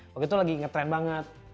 waktu itu lagi ngetrend banget